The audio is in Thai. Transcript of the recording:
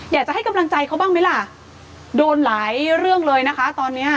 อยากจะให้กำลังใจเขาบ้างไหมล่ะโดนหลายเรื่องเลยนะคะตอนเนี้ย